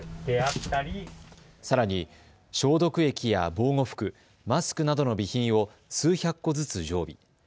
さらに消毒液や防護服、マスクなどの備品を数百個ずつ常備。